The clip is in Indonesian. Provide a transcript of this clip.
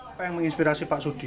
apa yang menginspirasi pak sudi